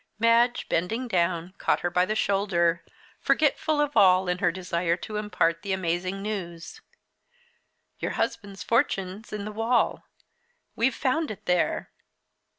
Madge, bending down, caught her by the shoulder, forgetful of all in her desire to impart the amazing news. "Your husband's fortune's in the wall we've found it there."